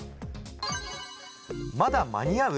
まだ間に合う？